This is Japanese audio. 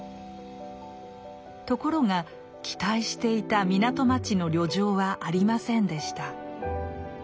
ところが期待していた港町の旅情はありませんでした。